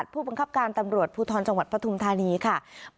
ผู้บังคับการตำรวจภูทรจังหวัดปฐุมธานีค่ะ